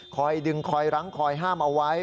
คอยดึงคอยรั้งคอยห้ามเอาไว้